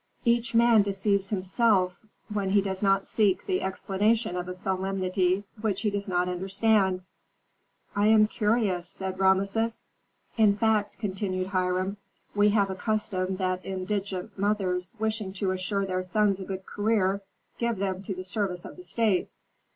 "Each man deceives himself when he does not seek the explanation of a solemnity which he does not understand." "I am curious," said Rameses. "In fact," continued Hiram, "we have a custom that indigent mothers wishing to assure their sons a good career give them to the service of the state.